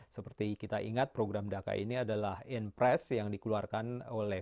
seperti kita ingat program daka ini adalah in press yang dikeluarkan oleh